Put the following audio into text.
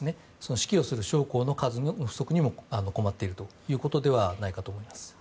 指揮をする将校の不足にも困っているということではないかと思います。